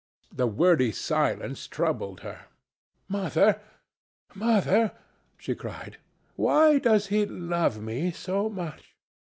The wordy silence troubled her. "Mother, Mother," she cried, "why does he love me so much?